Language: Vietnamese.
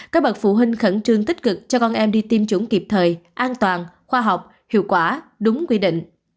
các bậc phụ huynh khẩn trương tích cực cho con em đi tiêm chủng kịp thời an toàn khoa học hiệu quả đúng quy định